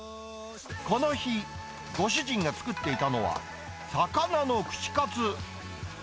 この日、ご主人が作っていたのは、魚の串カツ。